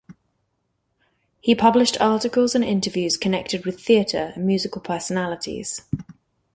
He published articles and interviews connected with theatre and musical personalities.